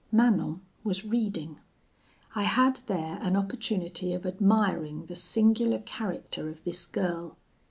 "Manon was reading. I had there an opportunity of admiring the singular character of this girl.